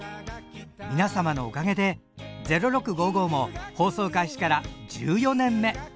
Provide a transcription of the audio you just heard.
皆様のおかげで「０６」も放送開始から１４年目。